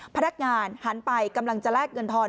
พนักงานหันไปกำลังจะแลกเงินทอน